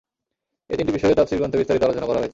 এই তিনটি বিষয়ে তাফসীর গ্রন্থে বিস্তারিত আলোচনা করা হয়েছে।